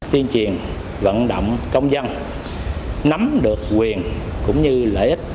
tiên triền vận động công dân nắm được quyền cũng như lợi ích